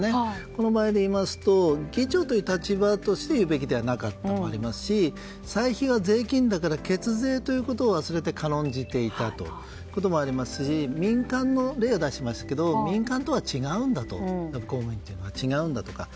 この場合で言いますと議長という立場として言うべきではなかったもありますし歳費が税金だから血税ということを忘れて軽んじていたとこともありますし民間の例を出しますけど民間とは違うんだ公務員は違うんだとか。